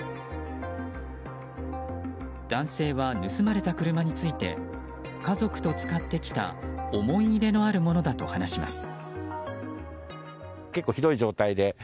男性は、盗まれた車について家族と使ってきた思い入れのあるものだと話します。